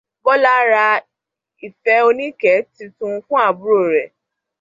Bọ́lá ra ife oníke titun fún àbúrò rẹ̀.